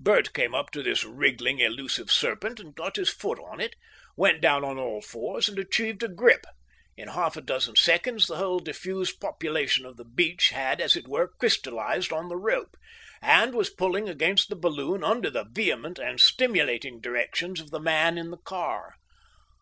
Bert came up to this wriggling, elusive serpent and got his foot on it, went down on all fours and achieved a grip. In half a dozen seconds the whole diffused population of the beach had, as it were, crystallised on the rope, and was pulling against the balloon under the vehement and stimulating directions of the man in the car.